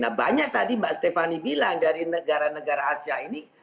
nah banyak tadi mbak stephanie bilang dari negara negara asia ini